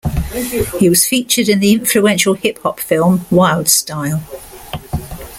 He was featured in the influential hip hop film "Wild Style".